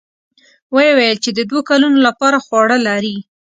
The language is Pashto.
ويې ويل چې د دوو کلونو له پاره خواړه لري.